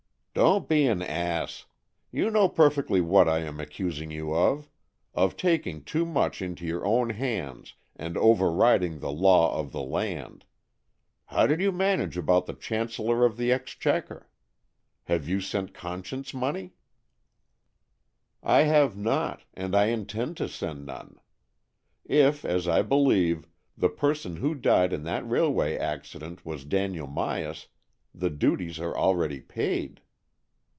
"Don't be an ass. You know perfectly what I am accusing you of — of taking too much into your own hands, and overriding the law of the land. How did you manage about the Chancellor of the Exchequer? Have you sent conscience money?" AN EXCHANGE OF SOULS 235 " I have not, and I intend to send none. If, as I believe, the person who died in that railway accident was Daniel Myas, the duties are already paid."